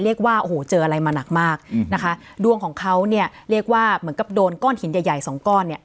เรียกว่าโอ้โหเจออะไรมาหนักมากนะคะดวงของเขาเนี่ยเรียกว่าเหมือนกับโดนก้อนหินใหญ่ใหญ่สองก้อนเนี่ย